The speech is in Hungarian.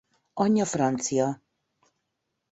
Anyja francia.